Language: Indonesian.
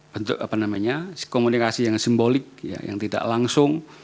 bentuk komunikasi yang simbolik yang tidak langsung